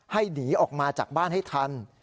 หนีออกมาจากบ้านให้ทัน